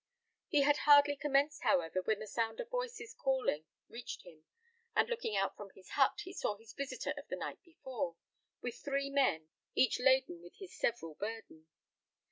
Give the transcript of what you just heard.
He had hardly commenced, however, when the sound of voices calling reached him, and looking out from his hut, he saw his visitor of the night before, with three men, each laden with his several burden.